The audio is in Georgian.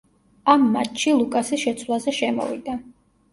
ამ მატჩში ლუკასი შეცვლაზე შემოვიდა.